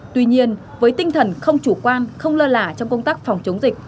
tuy nhiên với tinh thần không chủ quan không lơ lả trong công tác phòng chống dịch